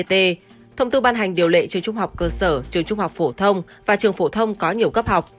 thông tư ban hành điều lệ trường trung học cơ sở trường trung học phổ thông và trường phổ thông có nhiều cấp học